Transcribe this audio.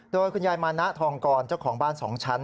โดยคุณยายมานะทองกรเจ้าของบ้าน๒ชั้น